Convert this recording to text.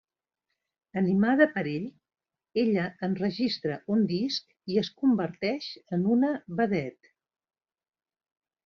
Animada per ell, ella enregistra un disc i es converteix en una vedet.